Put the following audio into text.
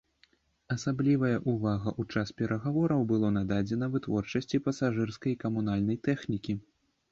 Асаблівая ўвага ў час перагавораў было нададзена вытворчасці пасажырскай і камунальнай тэхнікі.